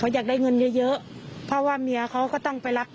แล้วก็เอาปืนยิงจนตายเนี่ยมันก็อาจจะเป็นไปได้จริง